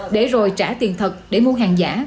để rồi trả tiền thật để mua hàng giả